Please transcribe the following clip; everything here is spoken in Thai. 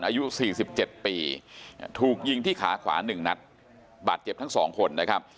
อายุสี่สิบเจ็ดปีถูกยิงที่ขาขวานหนึ่งนัดบาดเจ็บทั้งสองคนนะครับ